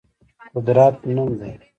قدرت نوم دی.